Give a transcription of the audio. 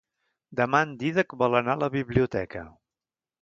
Demà en Dídac vol anar a la biblioteca.